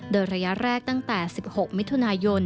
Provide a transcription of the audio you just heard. โดยระยะแรกตั้งแต่๑๖มิถุนายน